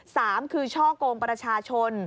สามคือช่อกงประชาชน